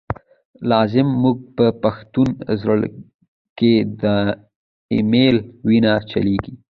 لاز موږ په پښتون زړه کی، ”دایمل” وینه چلیږی